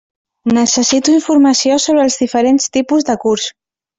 Necessito informació sobre els diferents tipus de curs.